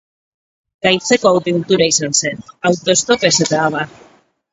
Gaitzeko abentura izan zen, auto-stopez eta abar!